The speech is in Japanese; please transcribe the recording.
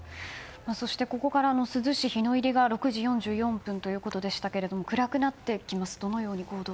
そして、珠洲市日の入りが６時４４分ということでしたけれども暗くなってきます。